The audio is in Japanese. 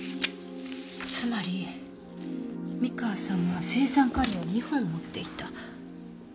つまり三河さんは青酸カリを２本持っていた。